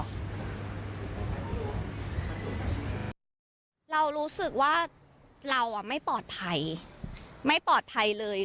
เรารู้สึกว่าเราไม่ปลอดภัยไม่ปลอดภัยเลย